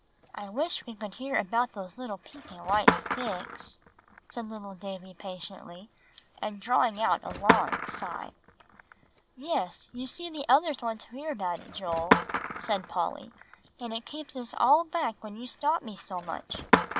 "I wish we could hear about those pink and white sticks," said little Davie patiently, and drawing a long sigh. "Yes, you see the others want to hear about it, Joel," said Polly; "and it keeps us all back when you stop me so much."